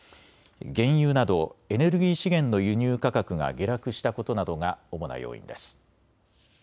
原油などエネルギー資源の輸入価格が下落したことなどが主な要因です。